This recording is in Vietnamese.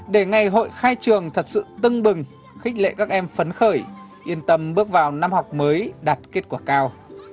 để ngày hội khai trường thật sự tưng bừng khích lệ các em phấn khởi yên tâm bước vào năm học mới đạt kết quả cao